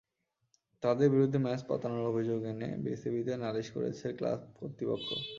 তাঁদের বিরুদ্ধে ম্যাচ পাতানোর অভিযোগ এনে বিসিবিতে নালিশ করেছে ক্লাব কর্তৃপক্ষ।